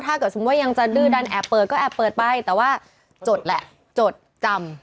สมมุติว่ายังจะดื้อดันแอบเปิดก็แอบเปิดไปแต่ว่าจดแหละจดจำ